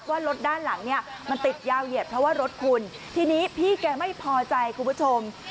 ว่ารถด้านหลังเนี่ยมันติดยาวเหยียดเพราะว่ารถคุณทีนี้พี่แกไม่พอใจคุณผู้ชม